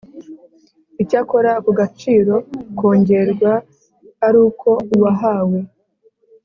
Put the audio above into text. icyakora ako gaciro kongerwa ari uko uwahawe